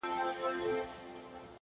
کوښښ د استعداد کمښت پوره کوي!